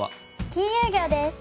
金融業です！